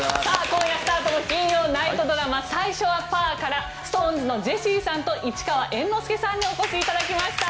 今夜スタートの金曜ナイトドラマ「最初はパー」からＳｉｘＴＯＮＥＳのジェシーさんと市川猿之助さんにお越しいただきました。